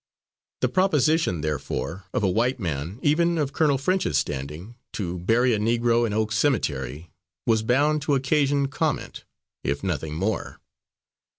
The proposition, therefore, of a white man, even of Colonel French's standing, to bury a Negro in Oak Cemetery, was bound to occasion comment, if nothing more.